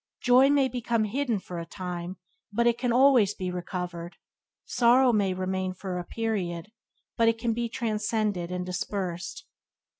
Joy may become hidden for a time, but it can be always be recovered; sorrow may remain for a period, but it can be transcended and dispersed.